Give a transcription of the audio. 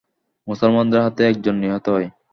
মুসলমানদের হাতে একজন নিহত হয়।